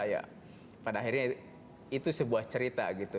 ya pada akhirnya itu sebuah cerita gitu